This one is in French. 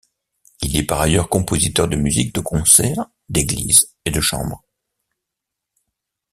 Il est par ailleurs compositeur de musique de concert, d'église et de chambre.